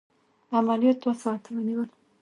عملیات دوه ساعته ونیول.